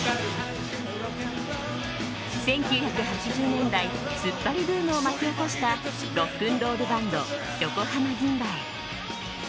１９８０年代ツッパリブームを巻き起こしたロックンロールバンド横浜銀蝿。